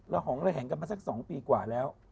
เราห่องอะไรแห่งกันมาสัก๒ปีกว่าแล้ว